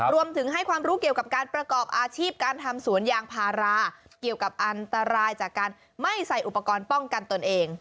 รวมถึงให้ความรู้เกี่ยวกับการประกอบอาชีพการทำสวนยางพาราเกี่ยวกับอันตรายจากการไม่ใส่อุปกรณ์ป้องกันตนเอง